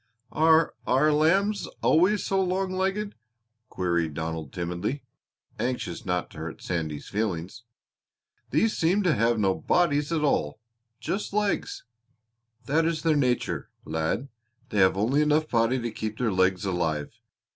"Are are lambs always so long legged?" queried Donald timidly, anxious not to hurt Sandy's feelings. "These seem to have no bodies at all just legs." "That is their nature, lad. They have only enough body to keep their legs alive.